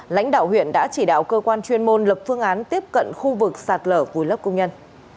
lãnh đạo huyện đã chỉ đạo cơ quan chuyên môn lập phương án tiếp cận khu vực sạt lở vùi lấp công nhân